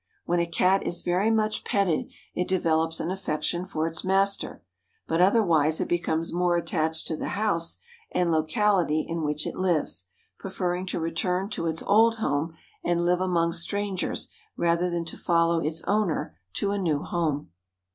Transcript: When a Cat is very much petted it develops an affection for its master, but otherwise it becomes more attached to the house and locality in which it lives, preferring to return to its old home and live among strangers rather than to follow its owner to a new home.